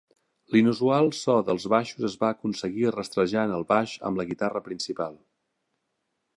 L'inusual so dels baixos es va aconseguir rastrejant el baix amb la guitarra principal.